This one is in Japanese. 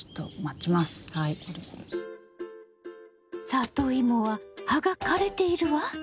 サトイモは葉が枯れているわ。